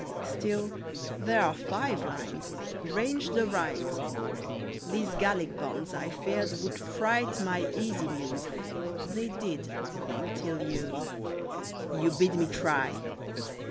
Still, there are five lines ranged aright. These Gallic bonds, I feared, would fright My easy Muse. They did, till you You bid me try!